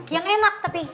yang enak tapi